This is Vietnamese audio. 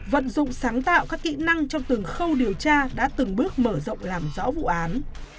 vận dụng sáng tạo các kỹ năng trong từng khâu điều tra đã từng bước mở rộng làm rõ vụ án